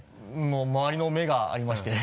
もう周りの目がありまして。